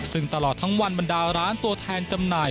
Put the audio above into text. ซึ่งตลอดทั้งวันบรรดาร้านตัวแทนจำหน่าย